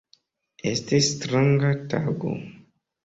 Estis stranga tago.